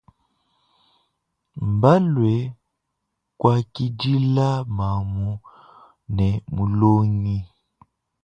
Balwe kwakidile mamu ne mulongi.